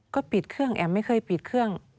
ก็ปิดเครื่องแอมไม่เคยปิดเครื่อง